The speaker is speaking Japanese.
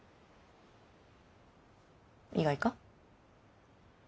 意外か？